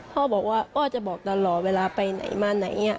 พ่อบอกว่าพ่อจะบอกตลอดเวลาไปไหนมาไหน